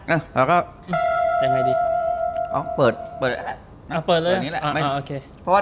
เออแล้วก็อืมเปิดเปิดอ่าเปิดเลยอ่าอ่าโอเคเพราะว่า